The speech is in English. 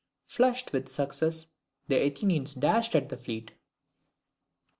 Flushed with success, the Athenians dashed at the fleet.